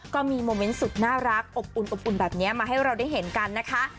ก็มีโมเมนต์สุดน่ารักอบอุ่นอบอุ่นแบบนี้มาให้เราได้เห็นกันนะคะ